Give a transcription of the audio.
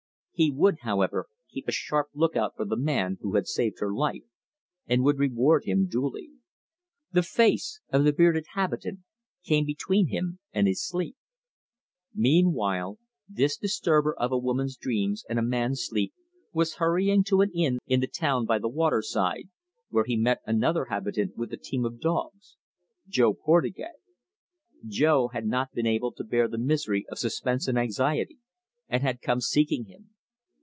He would, however, keep a sharp lookout for the man who had saved her life, and would reward him duly. The face of the bearded habitant came between him and his sleep. Meanwhile this disturber of a woman's dreams and a man's sleep was hurrying to an inn in the town by the waterside, where he met another habitant with a team of dogs Jo Portugais. Jo had not been able to bear the misery of suspense and anxiety, and had come seeking him.